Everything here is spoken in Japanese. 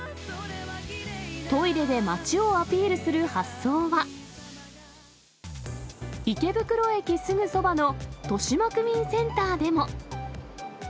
トイレで町をアピールする発想は、池袋駅すぐそばのとしま区民センターでも。